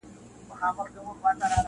چي ژوندی وي د سړي غوندي به ښوري-